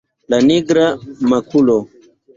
La nigra makulo!